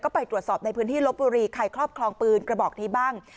ไปตรวจสอบในพื้นที่ลบบุรีใครครอบครองปืนกระบอกนี้บ้าง